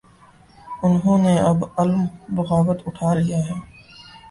انہوں نے اب علم بغاوت اٹھا لیا ہے۔